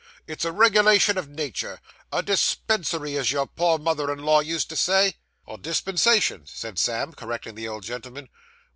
It's a regulation of natur a dispensary, as your poor mother in law used to say.' 'A dispensation,' said Sam, correcting the old gentleman.